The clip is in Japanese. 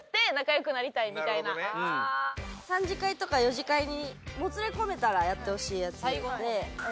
３次会とか４次会にもつれ込めたらやってほしいやつで。